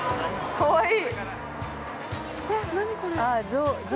かわいい。